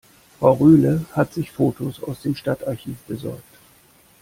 Frau Rühle hat sich Fotos aus dem Stadtarchiv besorgt.